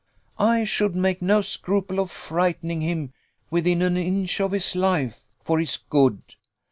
I should make no scruple of frightening him within an inch of his life, for his good.